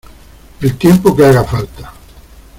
el tiempo que haga falta.